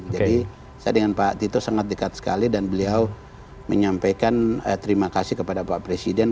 saya dengan pak tito sangat dekat sekali dan beliau menyampaikan terima kasih kepada pak presiden